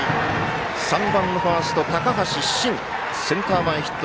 ３番ファースト、高橋慎センター前ヒット。